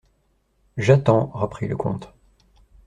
J'attends, reprit le comte.